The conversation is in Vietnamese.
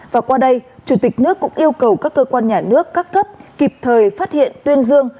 và qua đây chủ tịch nước cũng yêu cầu các cơ quan nhà nước các cấp kịp thời phát hiện tuyên dương